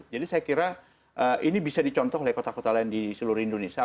jadi saya kira ini bisa dicontoh oleh kota kota lain di seluruh indonesia